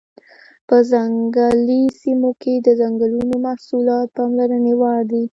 په ځنګلي سیمو کې د ځنګلونو محصولات پاملرنې وړ دي.